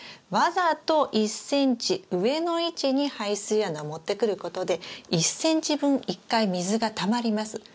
わざと１ｃｍ上の位置に排水穴を持ってくることで１ｃｍ分１回水がたまります。